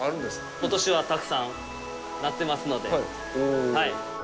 ことしはたくさんなってますので。